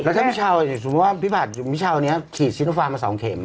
แล้วถ้าพี่เช้าอย่างสมมุติว่าพี่ผัดพี่เช้านี้ฉีดซิโนฟาร์มา๒เข็ม